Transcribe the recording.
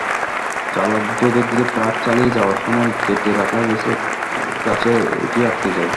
চালক দ্রুতগতিতে ট্রাক চালিয়ে যাওয়ার সময় কেটে রাখা গাছে এটি আটকে যায়।